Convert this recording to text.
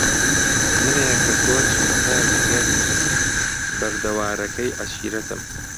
منێ کە گۆچی تاوی گەرمی بەردەوارەکەی عەشیرەتم